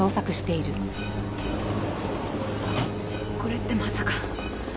これってまさか。